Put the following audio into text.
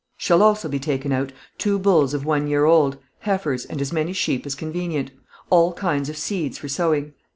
"Shall also be taken out: Two bulls of one year old, heifers, and as many sheep as convenient; all kinds of seeds for sowing.